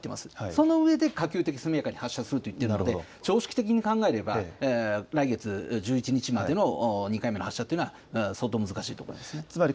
その上で可及的速やかに発射すると言っていたので、常識的に考えれば、来月１１日までの２回目の発射というのは、相当難しいと思詰まり